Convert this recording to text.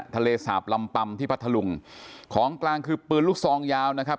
ทะเลสาบลำปัมที่พัทธลุงของกลางคือปืนลูกซองยาวนะครับ